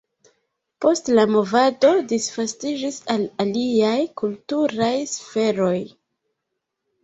Poste la movado disvastiĝis al aliaj kulturaj sferoj.